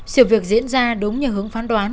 sự việc diễn ra đúng như hướng phán đoán